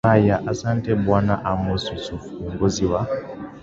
haya ahsante sana bwana amos yusufu kiongozi wa